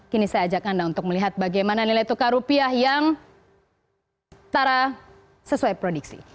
kini saya ajak anda untuk melihat bagaimana nilai tukar rupiah yang tara sesuai prediksi